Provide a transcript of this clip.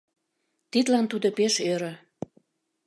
Тидлан тудо пеш ӧрӧ.